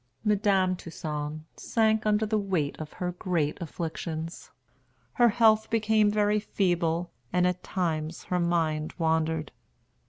Madame Toussaint sank under the weight of her great afflictions. Her health became very feeble, and at times her mind wandered.